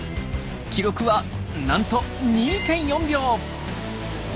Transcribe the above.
記録はなんと２．４秒！